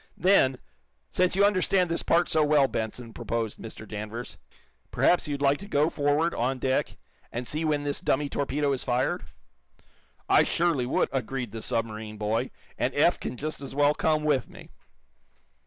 "Then, since you understand this part so well, Benson," proposed Mr. Danvers, "perhaps you'd like to go forward, on deck, and see when this dummy torpedo is fired?" "I surely would," agreed the submarine boy "And Eph can just as well come with me."